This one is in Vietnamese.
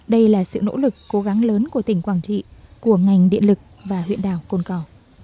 đây là sự nỗ lực cố gắng lớn của tỉnh quảng trị của ngành điện lực và huyện đảo cồn cỏ